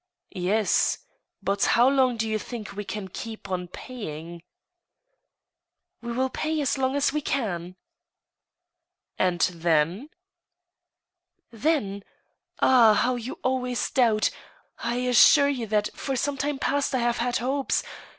" Yes. But how long do you think we can Iceep on paymg? "" We will pay as long as we can." " And then— ?"" Then ? Ah I how you always doubt I ... I assure you that for some time past I have had hopes.